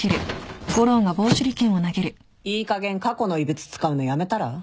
いいかげん過去の遺物使うのやめたら？